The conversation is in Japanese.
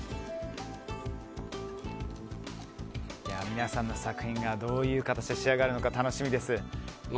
皆さんの作品がどういう形で仕上がるか楽しみです。